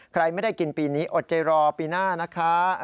ใครไม่ได้กินปีนี้อดใจรอปีหน้านะคะ